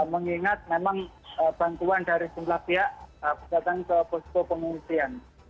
mengingat memang bantuan dari jumlah pihak datang ke posko pengungsian